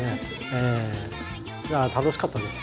いやあ楽しかったです。